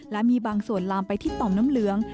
และมีบางส่วนลามไปที่ต่อมน้ำเหลือง